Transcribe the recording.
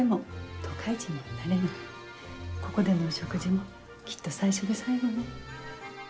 ここでのお食事もきっと最初で最後ね。